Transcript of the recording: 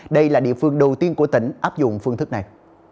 đây là địa phương đầu tiên của tỉnh áp dụng phương thức này